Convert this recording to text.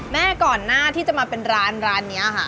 ก่อนหน้าที่จะมาเป็นร้านนี้ค่ะ